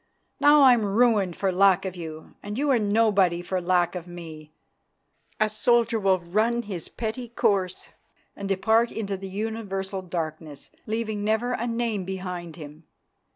Now I'm ruined for lack of you and you are nobody for lack of me, a soldier who will run his petty course and depart into the universal darkness, leaving never a name behind him.